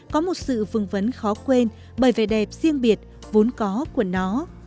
có một sự vừng vấn khó quên bởi vẻ đẹp riêng biệt vốn có của nó